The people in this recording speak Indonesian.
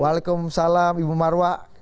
waalaikumsalam ibu marwah